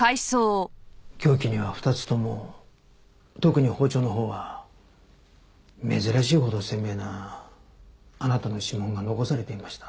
凶器には２つとも特に包丁のほうは珍しいほど鮮明なあなたの指紋が残されていました。